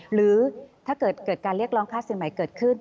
หรือถ้าเกิดเกิดการเรียกร้องค่าสินใหม่เกิดขึ้น